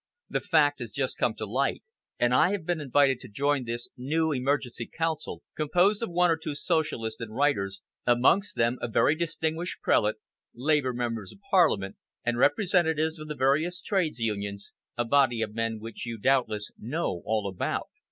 The fact has just come to light, and I have been invited to join this new emergency Council, composed of one or two Socialists and writers, amongst them a very distinguished prelate; Labour Members of Parliament, and representatives of the various Trades Unions, a body of men which you doubtless know all about.